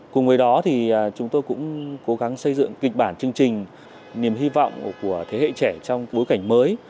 cùng với đó thì chúng tôi cũng cố gắng xây dựng kịch bản chương trình niềm hy vọng của thế hệ trẻ trong bối cảnh mới